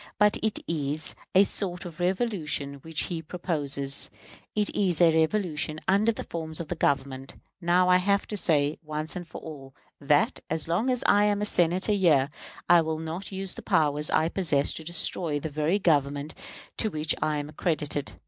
But it is a sort of revolution which he proposes; it is a revolution under the forms of the Government. Now, I have to say, once for all, that, as long as I am a Senator here, I will not use the powers I possess to destroy the very Government to which I am accredited.